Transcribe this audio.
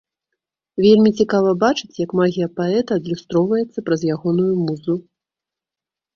Вельмі цікава бачыць, як магія паэта адлюстроўваецца праз ягоную музу.